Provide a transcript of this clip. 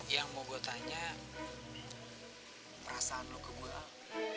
yang mau gue tanya perasaan lo ke gue al